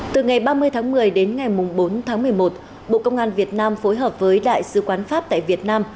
từ ngày ba mươi tháng một mươi đến ngày bốn tháng một mươi một bộ công an việt nam phối hợp với đại sứ quán pháp tại việt nam